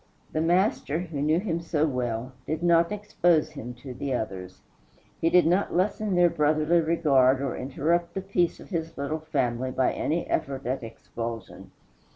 The Master, who knew him so well, did not expose him to the others. He did not lessen their brotherly regard or interrupt the peace of his little family by any effort at expulsion.